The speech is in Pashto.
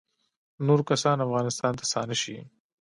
نور کسان افغانستان ته ستانه شي